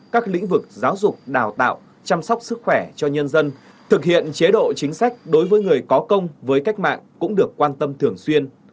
các lĩnh vực giáo dục đào tạo chăm sóc sức khỏe cho nhân dân thực hiện chế độ chính sách đối với người có công với cách mạng cũng được quan tâm thường xuyên